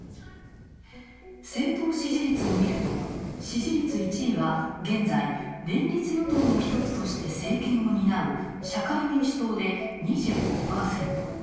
政党支持率を見ると支持率１位は現在、連立与党の一つとして政権を担う社会民主党で２５％。